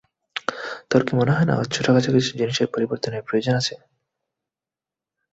তোর কি মনে হয় না, ওর ছোট খাটো কিছু জিনিসের পরিবর্তনের প্রয়োজন আছে?